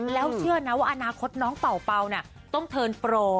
แล้วเชื่อนะว่าอนาคตน้องเป่าต้องเทิร์นโปร